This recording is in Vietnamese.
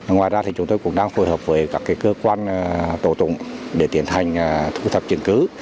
ngoài ra thì chúng tôi cũng đang phối hợp với các cơ quan tổ tụng để tiến hành thu thập chứng cứ